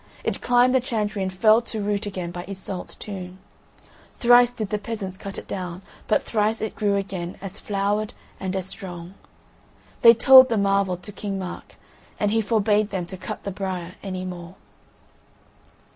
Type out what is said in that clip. It climbed the chantry and fell to root again by Iseult's tomb. Thrice did the peasants cut it down, but thrice it grew again as flowered and as strong. They told the marvel to King Mark, and he forbade them to cut the briar any more.